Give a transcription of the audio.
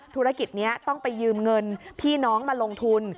ธุรกิจนี้ต้องไปยืมเงินพี่น้องมาลงทุน